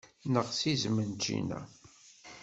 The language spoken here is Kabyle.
Neɣs izem n ččina.